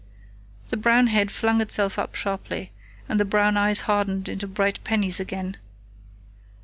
The brown head flung itself up sharply, and the brown eyes hardened into bright pennies again.